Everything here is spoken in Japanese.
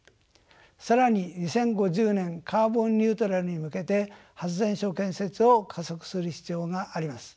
更に２０５０年カーボンニュートラルに向けて発電所建設を加速する必要があります。